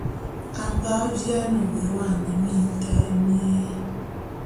A nga viane vuane mintaé mié.